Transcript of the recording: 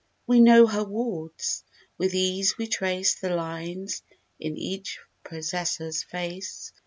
We know her wards. With ease we trace The lines in each possessor's face.